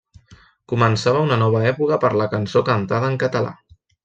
Començava una nova època per la cançó cantada en català.